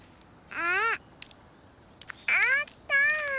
あった！